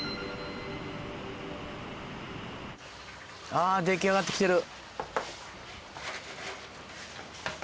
ああ出来上がってきてる。